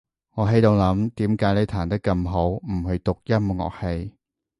我喺度諗，點解你彈得咁好，唔去讀音樂系？